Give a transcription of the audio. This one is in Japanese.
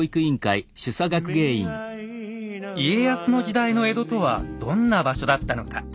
家康の時代の江戸とはどんな場所だったのか？